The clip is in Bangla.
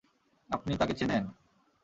আপনি তাকে চেনেন?